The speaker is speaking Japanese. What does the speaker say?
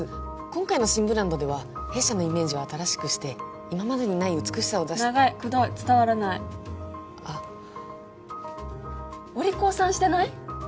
今回の新ブランドでは弊社のイメージを新しくして今までにない美しさを長いくどい伝わらないあお利口さんしてない？